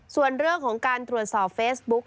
ส่วนเรื่องของการตรวจสอบเฟซบุ๊ก